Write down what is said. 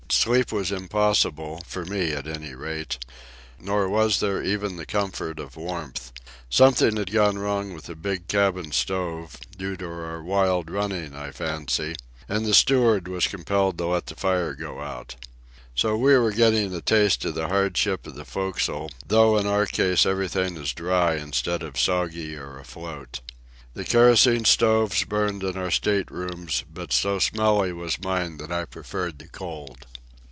Sleep was impossible—for me, at any rate. Nor was there even the comfort of warmth. Something had gone wrong with the big cabin stove, due to our wild running, I fancy, and the steward was compelled to let the fire go out. So we are getting a taste of the hardship of the forecastle, though in our case everything is dry instead of soggy or afloat. The kerosene stoves burned in our staterooms, but so smelly was mine that I preferred the cold.